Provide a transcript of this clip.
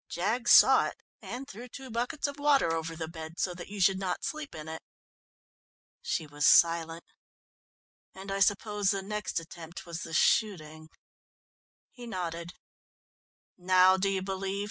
Jaggs saw it and threw two buckets of water over the bed, so that you should not sleep in it." She was silent. "And I suppose the next attempt was the shooting?" He nodded. "Now do you believe?"